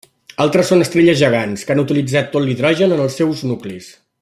Altres són estrelles gegants, que han utilitzat tot l'hidrogen en els seus nuclis.